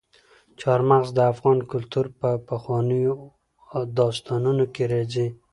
چار مغز د افغان کلتور په پخوانیو داستانونو کې راځي.